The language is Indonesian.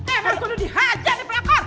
eh mas sudah dihajar nih pelakor